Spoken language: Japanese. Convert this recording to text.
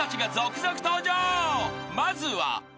［まずは］